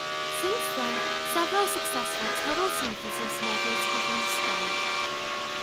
Since then several successful total synthesis methods have been described.